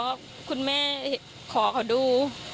แต่ว่าคุณแม่ขอเขาดู